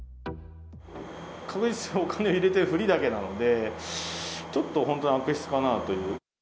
確実にお金入れてるふりだけなので、ちょっと本当に悪質かなという。